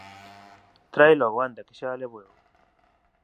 Trae logo, anda, que xa a levo eu.